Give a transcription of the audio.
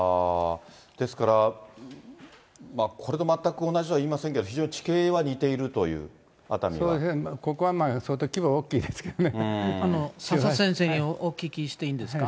ですからこれと全く同じとは言いませんけれども、非常に地形そうですね、ここは相当規模佐々先生にお聞きしていいんですか？